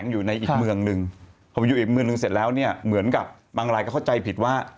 อยู่อีกเมื่อนหนึ่งเสร็จแล้วเนี่ยเหมือนกับบางรายก็เข้าใจผิดว่า